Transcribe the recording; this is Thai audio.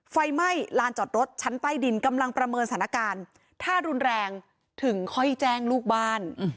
ไฟไหม้ลานจอดรถชั้นใต้ดินกำลังประเมินสถานการณ์ถ้ารุนแรงถึงค่อยแจ้งลูกบ้าน